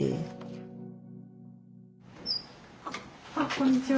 こんにちは。